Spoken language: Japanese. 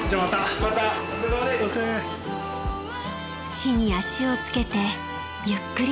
［地に足をつけてゆっくりと］